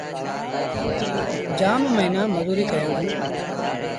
جآم موهيݩآن مزوريٚ ڪيآندو۔